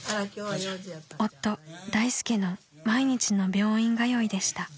［夫大助の毎日の病院通いでした］